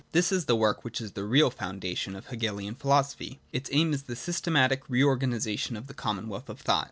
This is the work which is the real foundation of the • Hegelian philosophy. Its aim is the systematic re organisation of the commonwealth of thought.